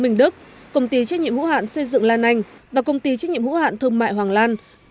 minh đức công ty trách nhiệm hữu hạn xây dựng lan anh và công ty trách nhiệm hữu hạn thương mại hoàng lan